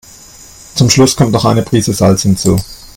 Zum Schluss kommt noch eine Prise Salz hinzu.